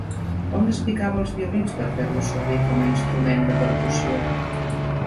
On es picava als violins per fer-los servir com a instrument de percussió?